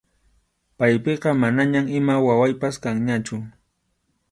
Paypiqa manañam ima wawaypas kanñachu.